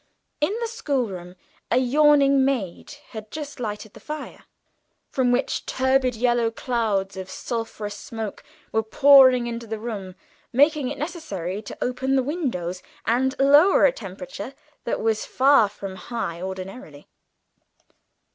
In the schoolroom a yawning maid had just lighted the fire, from which turbid yellow clouds of sulphurous smoke were pouring into the room, making it necessary to open the windows and lower a temperature that was far from high originally.